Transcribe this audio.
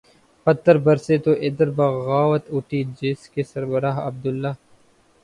پتھر برسیں تو ادھر بغاوت اٹھی جس کے سربراہ عبداللہ